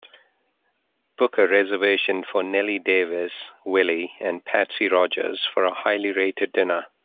Book a reservation for nellie davis, willie and patsy rogers for a highly rated diner